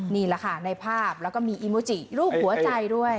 นี่แหละค่ะในภาพแล้วก็มีอีมุจิรูปหัวใจด้วย